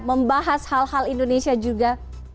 membahas hal hal indonesia juga